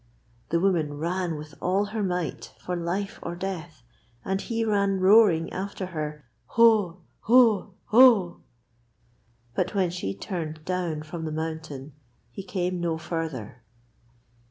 The woman ran with all her might, for life or death, and he ran roaring after her: 'Hoa, hoa, hoa!' But when she turned down from the mountain he came no further.